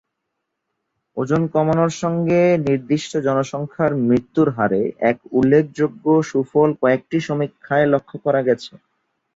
ওজন কমানোয় সঙ্গে নির্দিষ্ট জনসংখ্যার মৃত্যুর হারে এক উল্লেখযোগ্য সুফল কয়েকটি সমীক্ষায় লক্ষ করা গেছে।